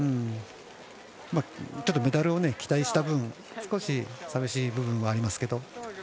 メダルを期待した分少し寂しい部分はありますけど。